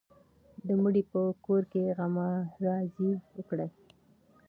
د مړي په کور کې غمرازي وکړئ.